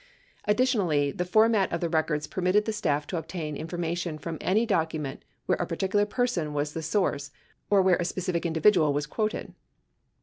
Additionally, the format of the records permitted the staff to obtain information from any document where a particular person was the source or where a specific individual was quoted.